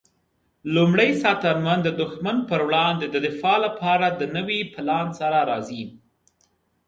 لومړی ساتنمن د دښمن پر وړاندې د دفاع لپاره د نوي پلان سره راځي.